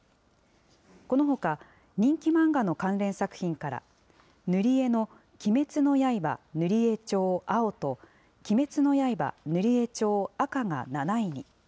このほか、人気漫画の関連作品から、塗り絵の鬼滅の刃塗絵帳ー蒼ーと、鬼滅の刃塗絵帳ー紅ーが７位に。